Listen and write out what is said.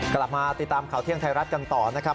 กลับมาติดตามข่าวเที่ยงไทยรัฐกันต่อนะครับ